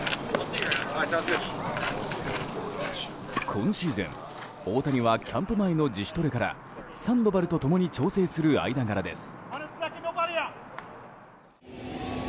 今シーズン、大谷はキャンプ前の自主トレからサンドバルと共に調整する間柄です。